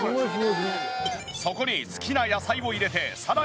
そこに好きな野菜を入れてさらに３分。